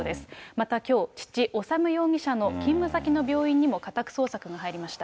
またきょう、父、修容疑者の勤務先の病院にも家宅捜索が入りました。